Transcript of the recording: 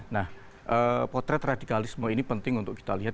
nah potret radikalisme ini penting untuk kita lihat